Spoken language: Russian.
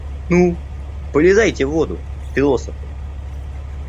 Ну, полезайте в воду, философы.